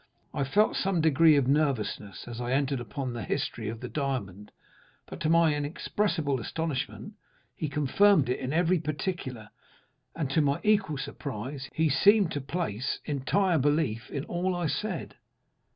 I felt some degree of nervousness as I entered upon the history of the diamond, but, to my inexpressible astonishment, he confirmed it in every particular, and to my equal surprise, he seemed to place entire belief in all I said.